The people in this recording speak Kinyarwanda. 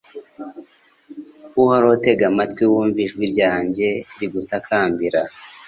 Uhoraho tega amatwi wumve ijwi ryanjye rigutakambira